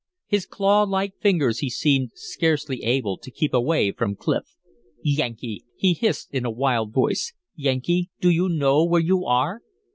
His claw like fingers he seemed scarcely able to keep away from Clif. "Yankee!" he hissed, in a wild voice. "Yankee, do you know where you are?"